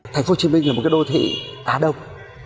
thành phố hồ chí minh là một đô thị á đông